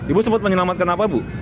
ibu sempat menyelamatkan apa bu